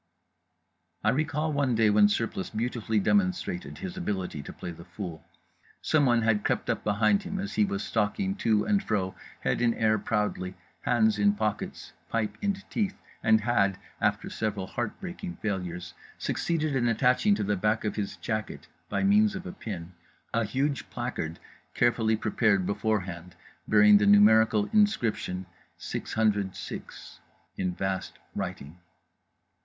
I recall one day when Surplice beautifully demonstrated his ability to play the fool. Someone had crept up behind him as he was stalking to and fro, head in air proudly, hands in pockets, pipe in teeth, and had (after several heart breaking failures) succeeded in attaching to the back of his jacket by means of a pin a huge placard carefully prepared beforehand, bearing the numerical inscription 606 in vast writing.